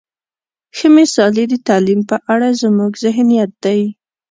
ښه مثال یې د تعلیم په اړه زموږ ذهنیت دی.